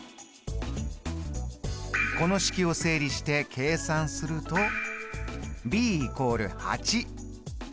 この式を整理して計算するとｂ＝８。